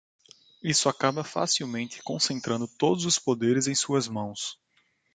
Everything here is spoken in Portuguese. Isso acaba facilmente concentrando todos os poderes em suas mãos.